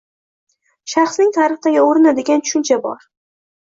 “Shaxsning tarixdagi o‘rni” degan tushuncha bor